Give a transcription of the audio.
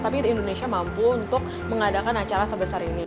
tapi indonesia mampu untuk mengadakan acara sebesar ini